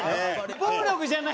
暴力じゃない。